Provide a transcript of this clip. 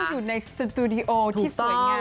อันนี้คืออยู่ในสตูดิโอที่สวยงาม